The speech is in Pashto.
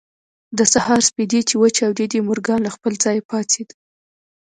د سهار سپېدې چې وچاودېدې مورګان له خپل ځايه پاڅېد.